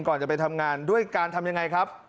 ก่อนจะไปทำงานด้วยการทำยังไงครับ